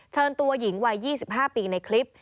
เชิญตัวหญิงวัย๒๕ปีในคลิป